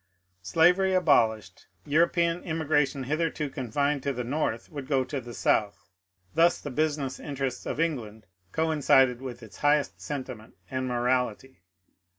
Slavery abolished, European emigration hitherto confined to the North would go to the South. Thus the busi ness interests of England coincided with its highest sentiment and morality.